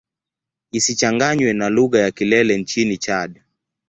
Isichanganywe na lugha ya Kilele nchini Chad.